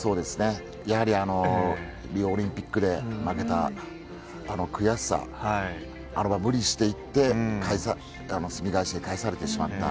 やはりリオオリンピックで負けたあの悔しさあれは無理していってすみ返しで返されてしまった。